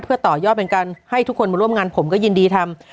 เพื่อต่อยอดเป็นการให้ทุกคนมาร่วมงานผมก็ยินดีทำ